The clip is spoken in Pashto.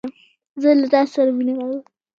زه له تاسو سره مينه لرم